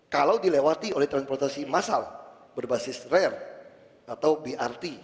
kalau dilewati oleh transportasi massal berbasis rare atau brt